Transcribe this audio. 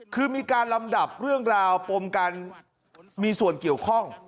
คือมีการลำดับเรื่องราวปมการมีส่วนเกี่ยวข้อง